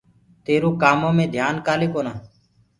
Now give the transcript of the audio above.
تيرو ڪآمو مي ڌيآن ڪآلي ڪونآ؟